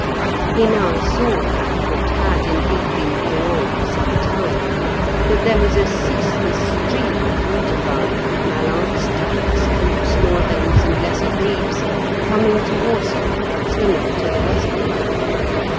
He now saw (what had, indeed, been going on for some time) that there was a ceaseless stream of waterfowl, mallards, ducks, coots, moorhens, and lesser grebes coming towards him, swimming to the westward.